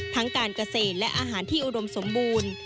การเกษตรและอาหารที่อุดมสมบูรณ์